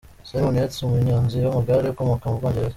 Simon Yates, umunyozi w’amagare ukomoka mu Bwongereza.